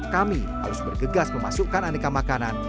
kami harus bergegas memasukkan aneka makanan